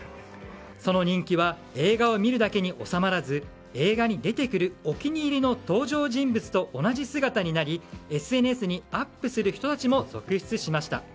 その人気は映画を見るだけに収まらず映画に出てくるお気に入りの登場人物と同じ姿になりＳＮＳにアップする人たちも続出しました。